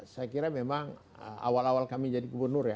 saya kira memang awal awal kami jadi gubernur ya